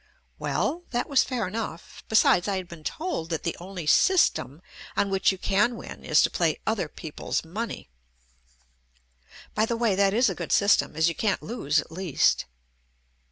Well, that was fair enough, besides I had been told that the only "system" on which you can win is to play "other people's money," — by the way, that is a good system as you can't lose at least.